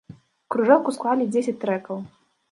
Кружэлку склалі дзесяць трэкаў.